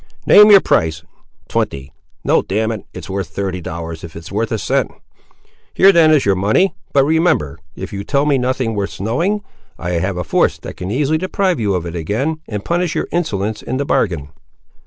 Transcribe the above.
"Name your price." "Twenty—no, damn it, it's worth thirty dollars, if it's worth a cent!" "Here, then, is your money: but remember, if you tell me nothing worth knowing, I have a force that can easily deprive you of it again, and punish your insolence in the bargain."